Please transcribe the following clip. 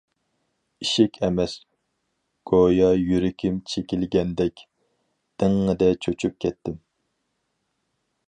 ئىشىك ئەمەس، گويا يۈرىكىم چېكىلگەندەك« دىڭڭىدە» چۆچۈپ كەتتىم.